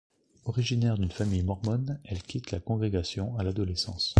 Originaire d'une famille mormone, elle quitte la congrégation à l'adolescence.